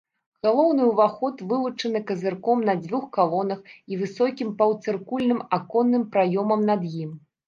Галоўны ўваход вылучаны казырком на дзвюх калонках і высокім паўцыркульным аконным праёмам над ім.